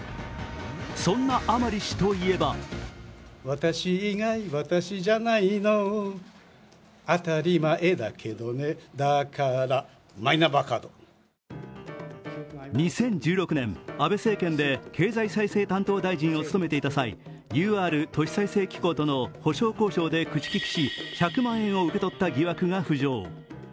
そんな甘利氏といえば２０１６年、安倍政権で経済再生担当大臣を務めていた際ＵＲ・都市再生機構との補償交渉で口利きし、１００万円を受け取った疑惑が浮上。